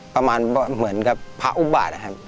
ประมาณเหมือนกะภาะอุ่บบาดนะครับ